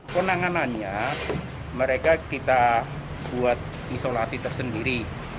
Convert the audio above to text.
penanganannya mereka kita buat isolasi tersendiri